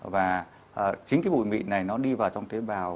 và chính cái bụi mịn này nó đi vào trong tế bào